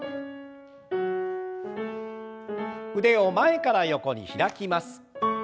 腕を前から横に開きます。